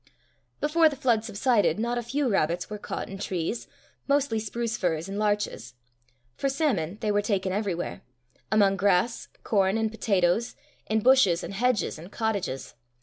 Before the flood subsided, not a few rabbits were caught in trees, mostly spruce firs and larches. For salmon, they were taken everywhere among grass, corn, and potatoes, in bushes, and hedges, and cottages.